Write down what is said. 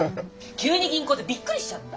急に銀行ってびっくりしちゃった。